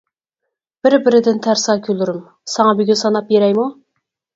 بىر-بىرىدىن تەرسا كۈنلىرىم، ساڭا بۈگۈن ساناپ بېرەيمۇ؟ !